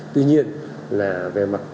tuy nhiên là về mặt trường